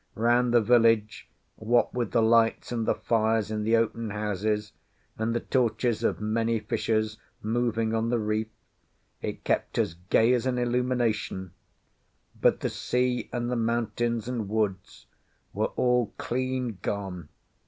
Round the village, what with the lights and the fires in the open houses, and the torches of many fishers moving on the reef, it kept as gay as an illumination; but the sea and the mountains and woods were all clean gone.